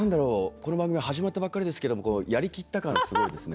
この番組は始まったばっかりですけどもやりきった感がすごいですね。